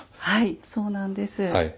はいそうなんです。